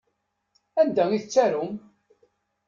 Anda i tettarum?